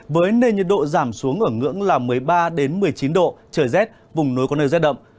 với nền nhiệt độ giảm xuống ở ngưỡng là một mươi ba một mươi chín độ trời rét vùng núi có nơi rét đậm